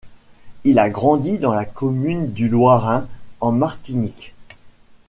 Il a grandi dans la commune du Lorrain, en Martinique.